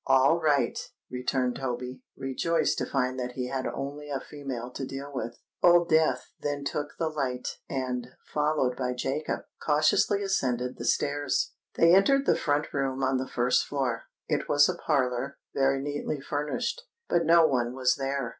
"All right," returned Toby, rejoiced to find that he had only a female to deal with. Old Death then took the light, and, followed by Jacob, cautiously ascended the stairs. They entered the front room on the first floor. It was a parlour, very neatly furnished: but no one was there.